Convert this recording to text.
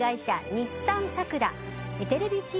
日産サクラ